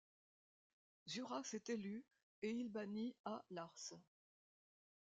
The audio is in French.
Zuras est élu, et il bannit A'Lars.